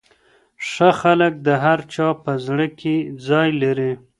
ښه خلک د هر چا په زړه کي ځای لري.